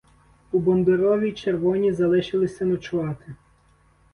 У Бондуровій червоні залишилися ночувати.